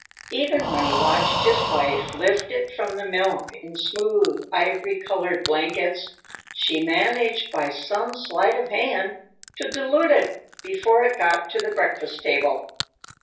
Even when he watched his wife lift it from the milk in smooth, ivory colored blankets, she managed, by some sleight of hand, to dilute it before it got to the breakfast table.